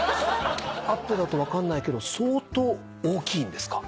アップだと分かんないけど相当大きいんですか？